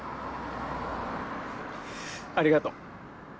ありがとう。